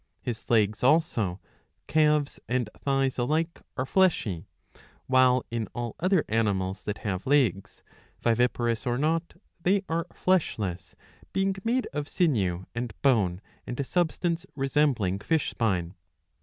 His legs also, calves and thighs alike, are fleshy ; while in all other animals that have legs, viviparous or not, they are fleshless, being made of sinew and bone and a substance resembling fish spine.